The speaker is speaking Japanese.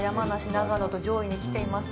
長野と上位に来ていますが。